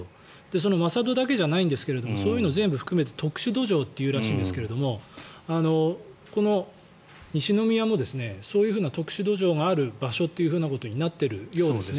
そのまさ土だけじゃないんですがそういうのを全部含めて特殊土壌というらしいんですがこの西宮もそういう特殊土壌がある場所となっているようですね。